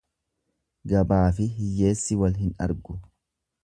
Gabaafi hiyyeessi wal hin argu.